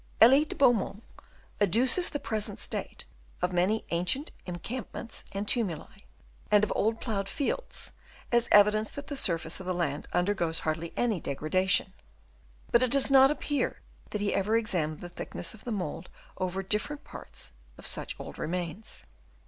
— E. de Beaumont adduces the present state of many ancient encampments and tumuli and of old ploughed fields, as evidence that the surface of the land undergoes hardly any degradation. But it does not appear that he ever examined the thickness of the mould over different parts of such old remains.